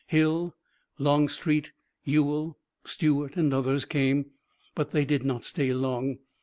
Hill, Longstreet, Ewell, Stuart and others came, but they did not stay long.